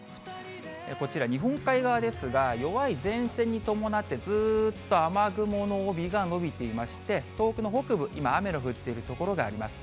こちら、日本海側ですが、弱い前線に伴って、ずっと雨雲の帯が延びていまして、東北の北部、今、雨の降っている所があります。